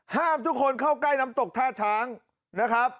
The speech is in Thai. ห้ามทุกคนเข้าใกล้น้ำตกท่าช้างนะครับ